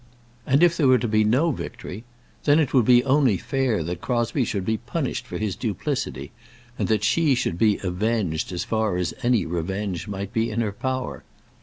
And if there were to be no victory, then it would be only fair that Crosbie should be punished for his duplicity, and that she should be avenged as far as any revenge might be in her power.